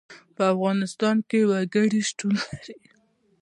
په افغانستان کې وګړي شتون لري.